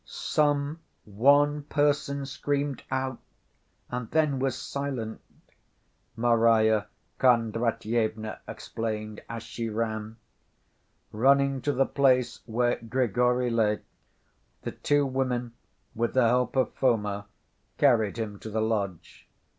"Some one person screamed out and then was silent," Marya Kondratyevna explained as she ran. Running to the place where Grigory lay, the two women with the help of Foma carried him to the lodge.